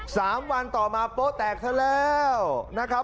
สามวันต่อมาโป๊ะแตกซะแล้วนะครับ